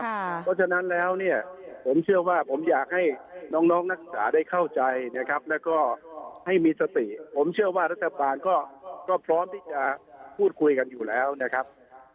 เพราะฉะนั้นแล้วเนี่ยผมเชื่อว่าผมอยากให้น้องนักศึกษาได้เข้าใจนะครับแล้วก็ให้มีสติผมเชื่อว่ารัฐบาลก็พร้อมที่จะพูดคุยกันอยู่แล้วนะครับ